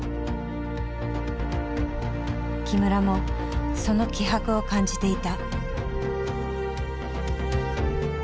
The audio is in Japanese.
木村もその気迫を感じていた。